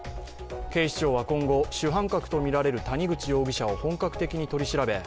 警視庁は今後、主犯格とみられる谷口容疑者を本格的に取り調べ